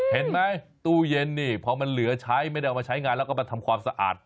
เห็นไหมตู้เย็นนี่พอมันเหลือใช้ไม่ได้เอามาใช้งานแล้วก็มาทำความสะอาด